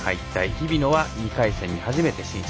日比野は２回戦に初めて進出。